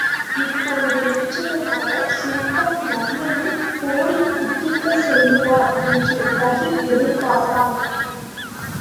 இப்பொழுது நிச்சயமாக சுல்தான் நம்மையும் போரில் குதிக்கச் சொல்லுவார் என்று ரஹீம் எதிர்பார்த்தான்.